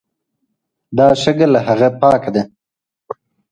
دا شګه له هغه پاکه ده!؟